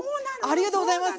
ありがとうございます！